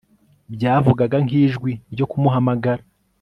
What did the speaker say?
byavugaga nk'ijwi ryo kumuhamagara